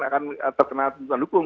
akan terkena tuntutan hukum